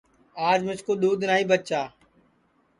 آج مِسکُو دؔودھ نائی بچا